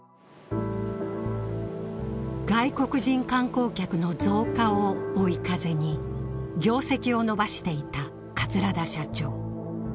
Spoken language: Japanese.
外国人観光客の増加を追い風に業績を伸ばしていた桂田社長。